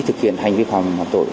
thực hiện hành vi phạm tội